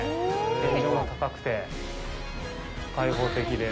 天井も高くて開放的で。